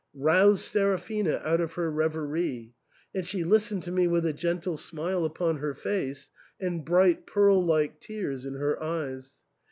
roused Seraphina out of her reverie, and she listened to me with a gentle smile upon her face, and bright pearl like tears in her eyes.